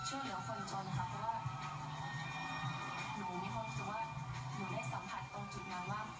หนูก็อยากจะช่วยเหลือคนจนครับ